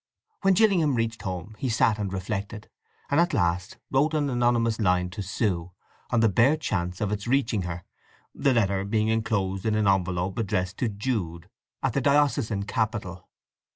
When Gillingham reached home he sat and reflected, and at last wrote an anonymous line to Sue, on the bare chance of its reaching her, the letter being enclosed in an envelope addressed to Jude at the diocesan capital.